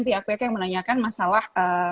pihak pihak yang menanyakan masalah